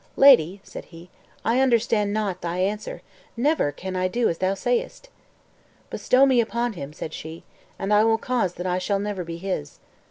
"Lady," said he, "I understand not thy answer; never can I do as thou sayest." "Bestow me upon him," said she, "and I will cause that I shall never be his."